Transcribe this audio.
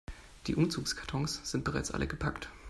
Die Umzugskartons sind bereits alle gepackt.